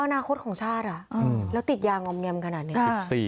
อนาคตของชาติแล้วติดยางอมแงมขนาดนี้